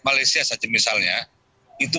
malaysia saja misalnya itu